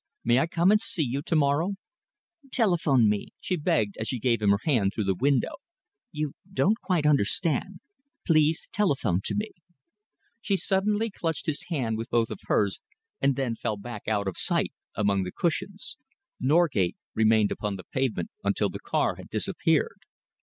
May I come and see you to morrow?" "Telephone me," she begged, as she gave him her hand through the window. "You don't quite understand. Please telephone to me." She suddenly clutched his hand with both of hers and then fell back out of sight among the cushions. Norgate remained upon the pavement until the car had disappeared.